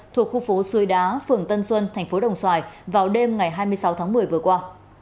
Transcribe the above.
thuộc khu phố xuôi đá phường tân xuân tp đồng xoài vào đêm ngày hai mươi sáu tháng một mươi vừa qua